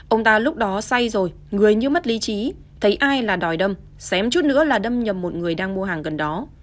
ông ta lúc đó say rồi người như mất lý trí thấy ai là đòi đâm chém nữa là đâm nhầm một người đang mua hàng gần đó